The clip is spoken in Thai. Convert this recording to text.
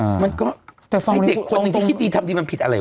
แต่ฟังว่าฟังว่าฟังว่าฟังว่าให้เด็กคนนึงที่คิดดีทำดีมันผิดอะไรวะ